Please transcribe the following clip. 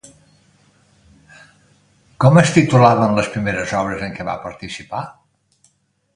Com es titulaven les primeres obres en què va participar?